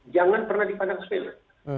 jangan pernah dipandang sepele